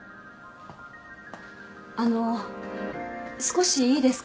あの少しいいですか？